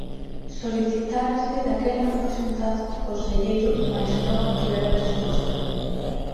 Solicitárase daquela unha xuntanza co conselleiro mais non obtiveran resposta.